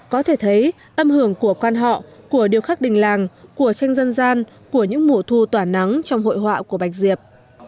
có thể thấy âm hưởng của quan họ của điều khắc đình làng của tranh dân gian của những mùa thu tỏa nắng trong hội họa của bạch diệp